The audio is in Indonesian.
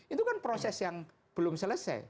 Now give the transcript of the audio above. itu kan proses yang belum selesai